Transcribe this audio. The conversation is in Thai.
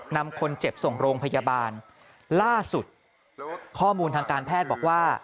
นำคนเจ็บส่งโรงพยาบาลล่าสุดข้อมูลทางการแพทย์บอกว่า